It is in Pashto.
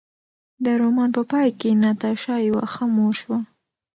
د رومان په پای کې ناتاشا یوه ښه مور شوه.